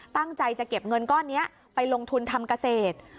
ตั้งใจจะเก็บเงินก้อนนี้ไปลงทุนทำเกษตร